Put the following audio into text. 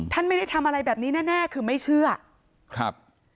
ไม่ได้ทำอะไรแบบนี้แน่แน่คือไม่เชื่อครับ